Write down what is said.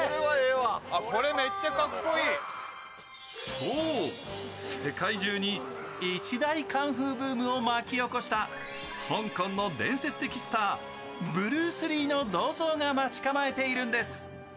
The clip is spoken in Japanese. そう、世界中に一大カンフーブームを巻き起こした香港の伝説的スター、ブルース・リーの銅像が待ち構えているんです。